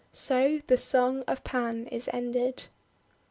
So the song of Pan is ended!